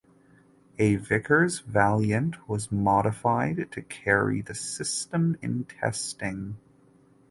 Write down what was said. A Vickers Valiant was modified to carry the system in testing.